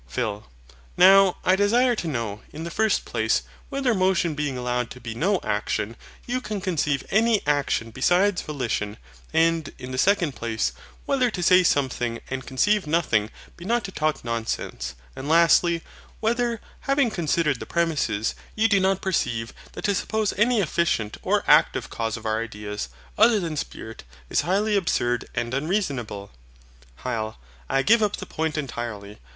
PHIL. Now, I desire to know, in the first place, whether, motion being allowed to be no action, you can conceive any action besides volition: and, in the second place, whether to say something and conceive nothing be not to talk nonsense: and, lastly, whether, having considered the premises, you do not perceive that to suppose any efficient or active Cause of our ideas, other than SPIRIT, is highly absurd and unreasonable? HYL. I give up the point entirely.